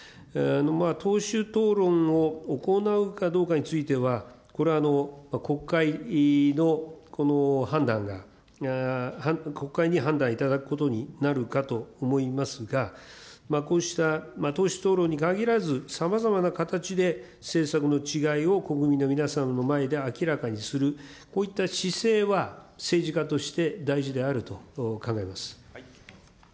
党首討論を行うかどうかについては、これは国会の判断が、国会に判断いただくことになるかと思いますが、こうした党首討論に限らず、さまざまな形で政策の違いを国民の皆さんの前で明らかにする、こういった姿勢は政治家として大事であると考えます。